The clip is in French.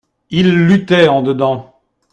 Il luttait en dedans.